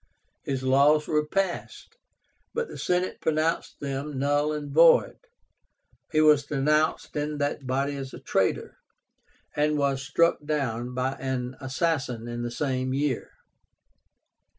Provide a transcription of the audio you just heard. His laws were passed, but the Senate pronounced them null and void. He was denounced in that body as a traitor, and was struck down by an assassin in the same year.